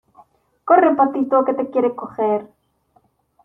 corre, patito , que te quiere coger.